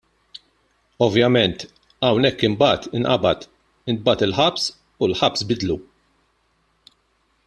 Ovvjament hemmhekk imbagħad inqabad, intbagħat il-ħabs u l-ħabs biddlu.